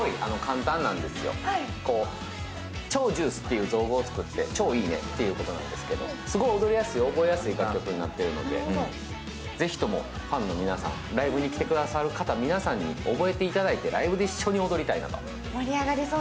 超ジュースっていう造語を作って、超いいねってことなんですけどすごい踊りやすい、覚えやすい楽曲になっているので、ぜひともファンの皆さん、ライブに来てくださる皆さんに覚えていただいて、ライブで一緒に踊りたいなと。